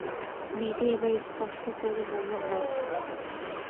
মেয়েটি এবার স্পষ্ট করে বলল, না।